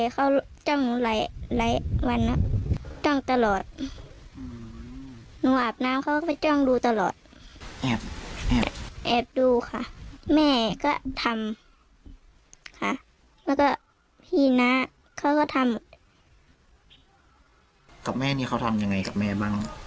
กับแม่นี้เขาทำอย่างไรกับแม่บ้าง